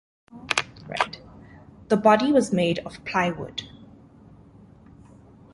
The body was made of plywood.